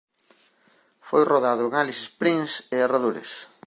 Foi rodado en Alice Springs e arredores.